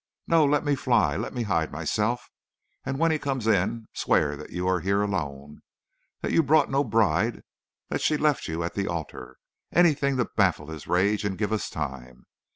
No; let me fly; let me hide myself; and when he comes in, swear that you are here alone; that you brought no bride; that she left you at the altar anything to baffle his rage and give us time.'